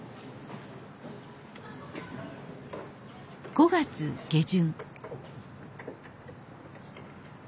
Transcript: ５月下旬